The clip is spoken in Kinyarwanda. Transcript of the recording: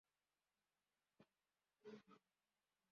Umugore wambaye afashe soda mugihe arimo aganira